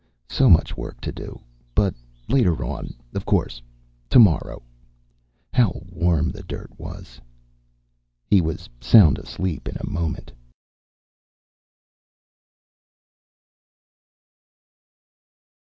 So much work to do But later on, of course. Tomorrow. How warm the dirt was.... He was sound asleep in a moment.